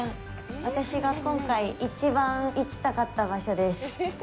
私が今回一番行きたかった場所です。